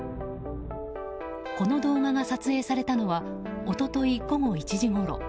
この動画が撮影されたのは一昨日午後１時ごろ。